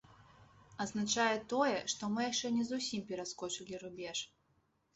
Азначае тое, што мы яшчэ не зусім пераскочылі рубеж.